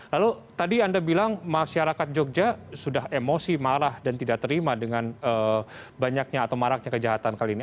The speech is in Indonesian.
lalu tadi anda bilang masyarakat jogja sudah emosi marah dan tidak terima dengan banyaknya atau maraknya kejahatan kali ini